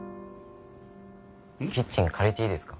キッチン借りていいですか？